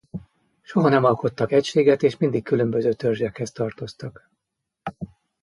Soha nem alkottak egységet és mindig különböző törzsekhez tartoztak.